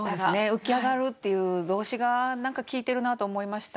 「浮き上がる」っていう動詞が何か効いてるなと思いました。